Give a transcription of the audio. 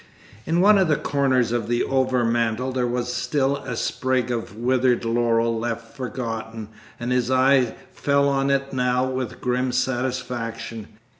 In one of the corners of the overmantel there was still a sprig of withered laurel left forgotten, and his eye fell on it now with grim satisfaction.